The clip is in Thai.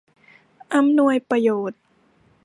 อำนวยประโยชน์